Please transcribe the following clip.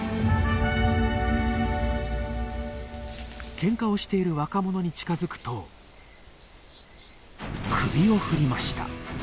けんかをしている若者に近づくと首を振りました。